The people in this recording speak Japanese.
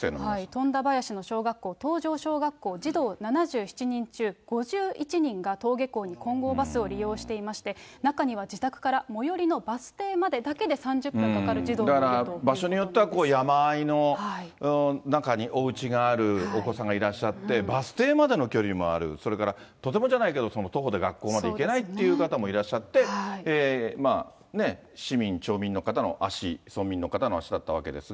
富田林の小学校、東条小学校、児童７７人中５１人が登下校に金剛バスを利用していまして、中には自宅から最寄りのバス停までだけで３０分かかる児童もいるだから場所によっては、山あいの中におうちがあるお子さんがいらっしゃって、バス停までの距離もある、それからとてもじゃないけど徒歩で学校まで行けないという方もいらっしゃって、市民、町民の方の足、村民の方の足だったわけですが。